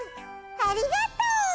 ありがとう！